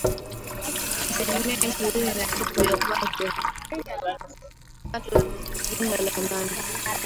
asilimia ishirini na tatu ya pato jumla la ndani